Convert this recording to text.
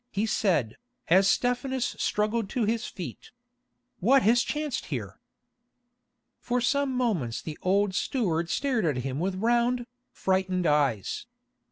he said, as Stephanus struggled to his feet. "What has chanced here?" For some moments the old steward stared at him with round, frightened eyes.